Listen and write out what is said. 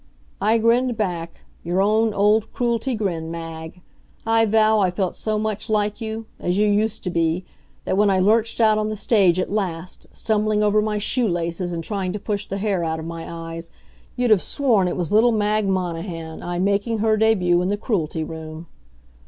I grinned back your own, old Cruelty grin, Mag. I vow I felt so much like you as you used to be that when I lurched out on the stage at last, stumbling over my shoe laces and trying to push the hair out of my eyes, you'd have sworn it was little Mag Monahan I making her debut in the Cruelty room.